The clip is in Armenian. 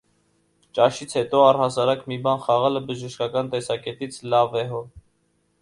Ճաշից հետո առհասարակ մի բան խաղալը բժշկական տեսակետից լավ է հո…